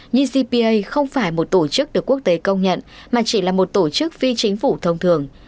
như cpa không phải một tổ chức được quốc tế công nhận mà chỉ là một tổ chức phi chính phủ thông thường